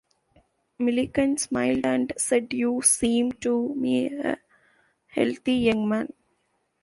Millikan smiled and said You seem to me a healthy young man.